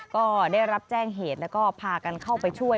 ก็ได้รับแจ้งเหตุแล้วก็พากันเข้าไปช่วย